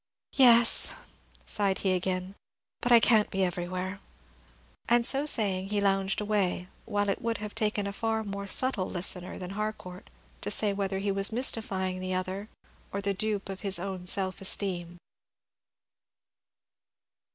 "Yes," sighed he again; "but I can't be everywhere." And so saying, he lounged away, while it would have taken a far more subtle listener than Harcourt to say whether he was mystifying the other, or the dupe of his own self esteem.